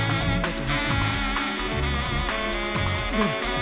どうですか？